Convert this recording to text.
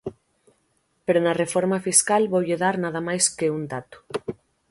Pero na reforma fiscal voulle dar nada máis que un dato.